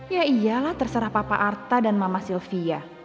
ya ialah terserah papa arta dan mama sylvia